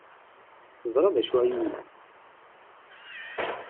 Teẓra d acu ay iga?